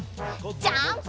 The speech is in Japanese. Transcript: ジャンプ！